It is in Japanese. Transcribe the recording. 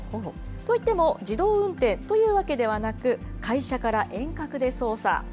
といっても、自動運転というわけではなく、会社から遠隔で操作。